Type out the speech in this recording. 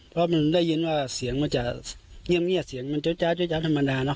เพราะมันได้ยินว่าเสียงมันจะเงียบเงียบเสียงมันเจ้าจ้าเจ้าจ้าธรรมดานะ